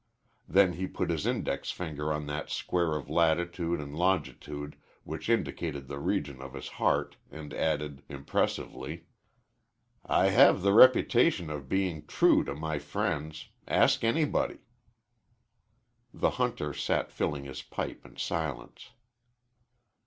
Then he put his index finger on that square of latitude and longitude which indicated the region of his heart, and added, impressively, "I have the reputation of being true to my friends ask anybody." The hunter sat filling his pipe in silence.